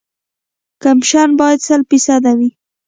کمپکشن باید سل فیصده وي